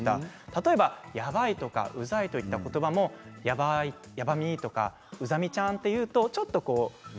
例えば、やばいとかうざいといった言葉もやばみとか、うざみちゃんと言うとちょっと。